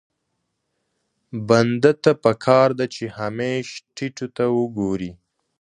بنده ته پکار ده چې همېش ټيټو ته وګوري.